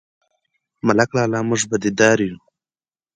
_ملک لالا، موږ بدي دار يو؟